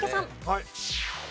はい。